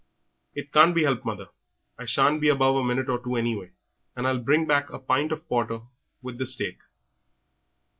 "It can't be helped, mother. I shan't be above a minute or two away, and I'll bring back a pint of porter with the steak."